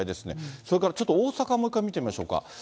それからちょっと、大阪もう一回見てみましょうか。